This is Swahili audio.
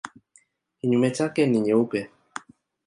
Kinyume chake ni nyeupe.